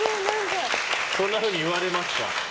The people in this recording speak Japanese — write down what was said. そんなふうに言われますか？